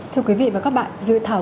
thưa quý vị và các bạn dự thảo